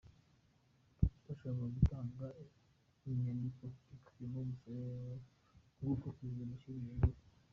Bashakaga gutanga inyandiko ikubiyemo ubusabe bwuko Perezida Bashir yegura.